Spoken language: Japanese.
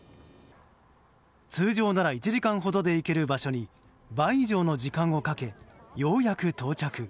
通常なら１時間ほどで行ける場所に倍以上の時間をかけようやく到着。